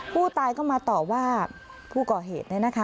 ผู้ตายก็มาต่อว่าผู้ก่อเหตุ